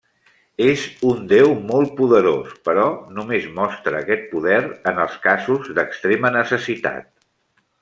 És un Déu molt poderós, però només mostra aquest poder en els casos d'extrema necessitat.